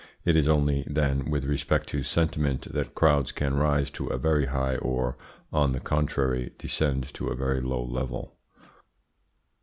It is only, then, with respect to sentiment that crowds can rise to a very high or, on the contrary, descend to a very low level.